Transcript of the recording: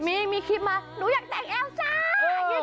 มีมีคลิปมาหนูอยากแต่งแอลจ้า